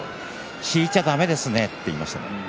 引いちゃだめですねと言いました。